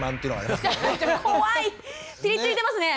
ピリついてますね。